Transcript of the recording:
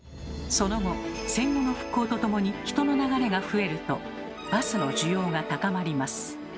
その後戦後の復興とともに人の流れが増えるとバスの需要が高まります。